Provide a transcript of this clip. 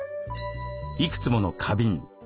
いくつもの花瓶。